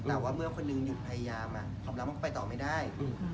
แต่ว่าเมื่อคนหนึ่งหยุดพยายามความรักมันก็ไปต่อไม่ได้